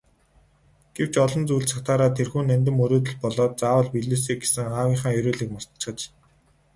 Гэвч олон зүйлд сатаараад тэрхүү нандин мөрөөдөл болоод заавал биелээсэй гэсэн аавынхаа ерөөлийг мартчихаж.